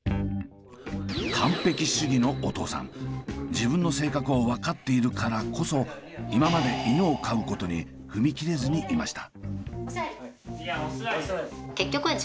自分の性格を分かっているからこそ今まで犬を飼うことに踏み切れずにいました。